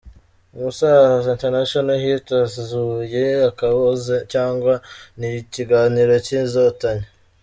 Umusaza international Hit azuye akaboze? Cgw n’ikiganiro cy’izotanye?.